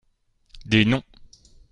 Des noms